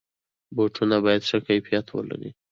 بوټونه باید ښه کیفیت ولري.